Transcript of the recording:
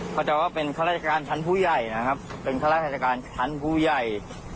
เข้าใจว่าเป็นข้าราชการชั้นผู้ใหญ่นะครับเป็นข้าราชการชั้นผู้ใหญ่